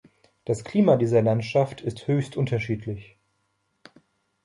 Das Klima dieser Landschaft ist höchst unterschiedlich.